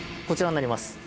こちらになります。